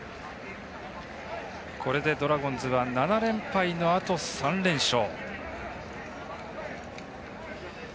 これでドラゴンズは７連敗のあと、３連勝。